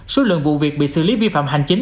số lượng vụ việc bị xử lý vi phạm hành chính